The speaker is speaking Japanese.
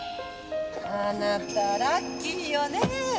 あなたラッキーよね